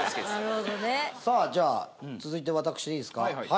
さあじゃあ続いて私でいいですか？